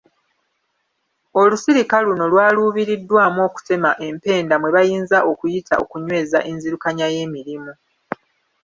Olusirika luno lwaluubiriddwamu okutema empenda mwe bayinza okuyita okunyweza enzirukanya y’emirimu.